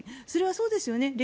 それはそうですよね。